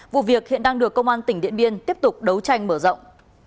vụ việc hiện đang được công an tỉnh điện biên tiếp tục đấu tranh mở rộng